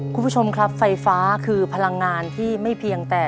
คุณผู้ชมครับไฟฟ้าคือพลังงานที่ไม่เพียงแต่